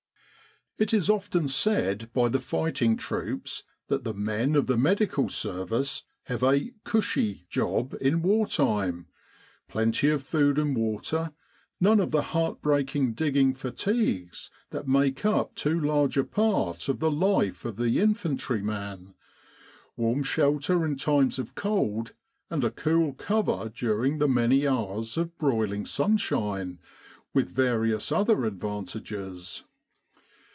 It is often said by the righting troops that the men of the Medical Service have a "cushy" job in war time plenty of food and water, none of the heart breaking digging fatigues that 'make up too large a part of the life of the infantryman, warm shelter in times of cold, and a cool cover during the many hours of broiling sunshine, with various other advantages.